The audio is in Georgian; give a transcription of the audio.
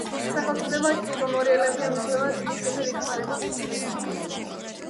სახელწოდება „კიბომორიელები“ ამჟამად იშვიათად იხმარება.